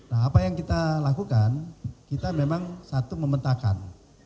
nah apa yang kita lakukan kita memang satu memetakan